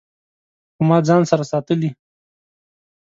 خو ما ځان سره ساتلي